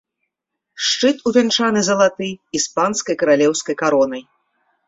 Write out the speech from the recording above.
Шчыт увянчаны залаты іспанскай каралеўскай каронай.